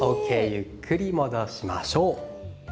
ゆっくり戻しましょう。